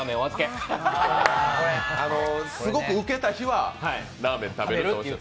すごくウケた日はラーメン食べるという。